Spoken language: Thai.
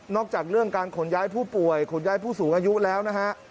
จากเรื่องการขนย้ายผู้ป่วยขนย้ายผู้สูงอายุแล้วนะฮะ